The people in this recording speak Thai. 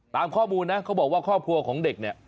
ตามข้อมูลนะเขาบอกว่าครอบครัวของเด็กเนี่ย